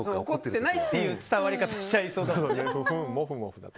怒ってないという伝わり方をしちゃいそうですね。